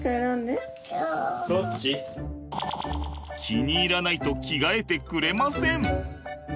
気に入らないと着替えてくれません。